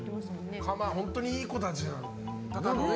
本当にいい子たちなんだろうね。